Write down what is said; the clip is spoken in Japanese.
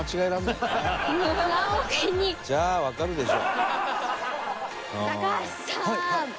じゃあわかるでしょ。